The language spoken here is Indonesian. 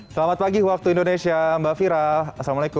selamat pagi waktu indonesia mbak fira assalamualaikum